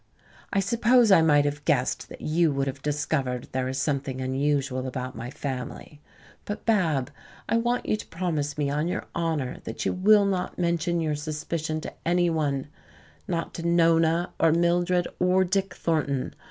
"I suppose I might have guessed that you would have discovered there is something unusual about my family. But, Bab, I want you to promise me on your honor that you will not mention your suspicion to any one not to Nona, or Mildred, or Dick Thornton.